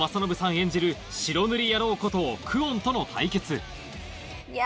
演じる白塗り野郎こと久遠との対決いや。